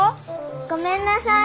ごめんなさい。